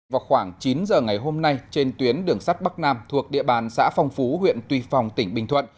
vào khoảng chín giờ ngày hôm nay trên tuyến đường sắt bắc nam thuộc địa bàn xã phong phú huyện tuy phong tỉnh bình thuận